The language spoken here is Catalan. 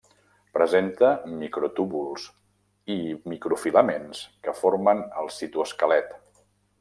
Presenta microtúbuls i microfilaments que formen el citoesquelet.